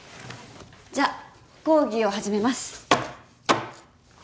じゃあ講義を始めます。